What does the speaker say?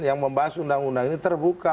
yang membahas undang undang ini terbuka